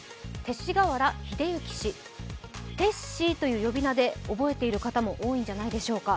勅使河原秀行氏、テッシーというあだ名で覚えている方もいるのではないでしょうか。